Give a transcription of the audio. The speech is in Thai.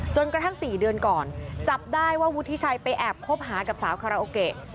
จนกระทั่ง๔เดือนก่อนจับได้ว่าวุฒิชัยไปแอบคบหากับสาวคาราโอเกะ